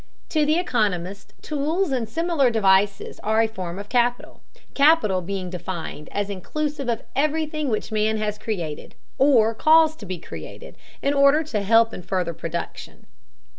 To the economist tools and similar devices are a form of capital, capital being defined as inclusive of everything which man has created, or caused to be created, in order to help in further production.